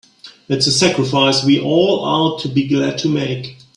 It's a sacrifice we all ought to be glad to make.